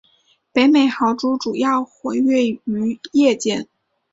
北美豪猪主要活跃于夜间。